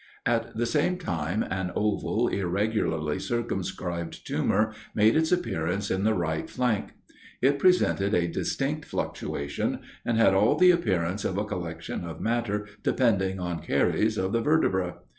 At the same time an oval, irregularly circumscribed tumor made its appearance in the right flank. It presented a distinct fluctuation, and had all the appearance of a collection of matter depending on caries of the vertebræ.